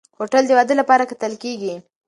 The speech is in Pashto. هوټل د واده لپاره کتل کېږي.